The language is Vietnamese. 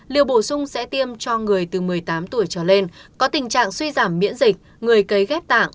liều bổ sung sẽ tiêm cho người từ một mươi tám tuổi trở lên có tình trạng suy giảm miễn dịch người cấy ghép tạng